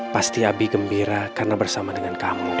pasti abi gembira karena bersama dengan kamu